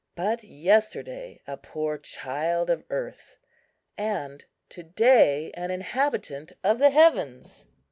But yesterday a poor child of earth, and to day an inhabitant of the heavens.